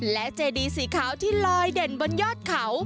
และเจดีสีขาวที่ลอยเด่นบนยอดเขา